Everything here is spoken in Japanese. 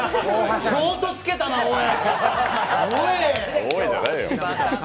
相当つけたな、おい！